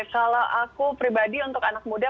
kalau aku pribadi untuk anak muda